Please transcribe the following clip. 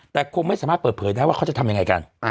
แต่คงไม่สามารถเปิดเผยได้ว่าเขาจะทำยังไงกัน